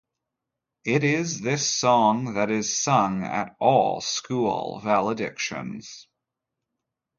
It is this song that is sung at all school valedictions.